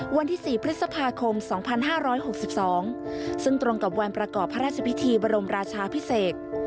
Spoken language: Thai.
วันที่สี่พฤษภาคมสองพันห้าร้อยหกสิบสองซึ่งตรงกับวันประกอบพระราชพิธีบรมราชาภิกษ์